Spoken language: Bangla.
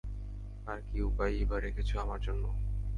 আর কী উপায়ই বা রেখেছো আমার জন্য?